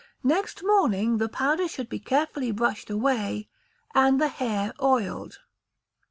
Next morning the powder should be carefully brushed away, and the hair oiled.